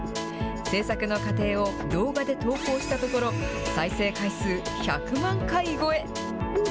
制作の過程を動画で投稿したところ、再生回数１００万回超え。